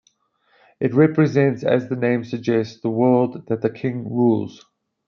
It represents, as the name suggests, the world that the king rules.